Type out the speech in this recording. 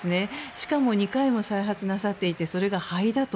しかも２回も再発なさっていてそれが肺だと。